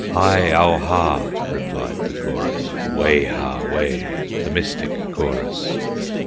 "Hi au ha!" replied the chorus, "Wayha way!" the mystic chorus.